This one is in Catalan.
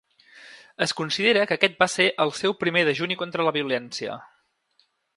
Es considera que aquest va ser el seu primer dejuni contra la violència.